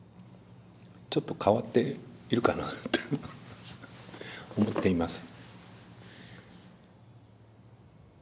ちょっと変わっているかなって思っています。